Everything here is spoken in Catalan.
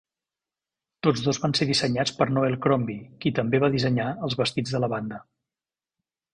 Tots dos van ser dissenyats per Noel Crombie, qui també va dissenyar els vestits de la banda.